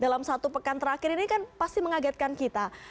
dalam satu pekan terakhir ini kan pasti mengagetkan kita